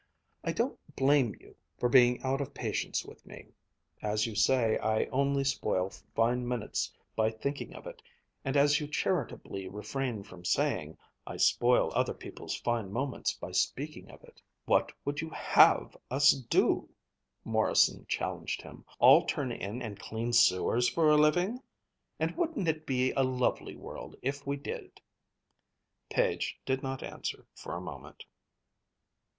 I don't blame you for being out of patience with me. As you say I only spoil fine minutes by thinking of it, and as you charitably refrained from saying, I spoil other people's fine moments by speaking of it." "What would you have us do!" Morrison challenged him "all turn in and clean sewers for a living? And wouldn't it be a lovely world, if we did!" Page did not answer for a moment.